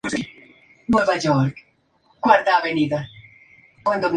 Luego, y hasta su retiro, trabajó en las enfermedades que infectan el trigo.